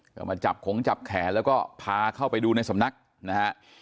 ก็มาจับขงจับแขนแล้วก็พาเข้าไปดูในสำนักนะฮะ